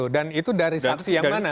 dan itu dari saksi yang mana